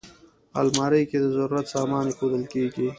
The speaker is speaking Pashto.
الماري کې د ضرورت سامان ایښودل کېږي